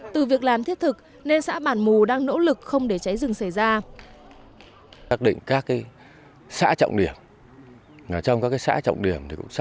từ việc làm thiết thực nên xã bản mù đang nỗ lực không để cháy rừng xảy ra